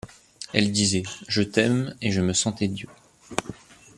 Elle disait : Je t'aime et je me sentais dieu.